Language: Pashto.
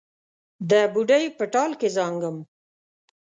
د بوډۍ په ټال کې زانګم